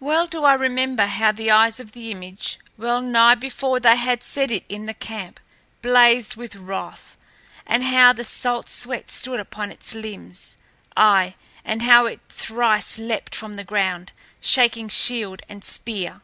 Well do I remember how the eyes of the image, well nigh before they had set it in the camp, blazed with wrath, and how the salt sweat stood upon its limbs, aye, and how it thrice leapt from the ground, shaking shield and spear.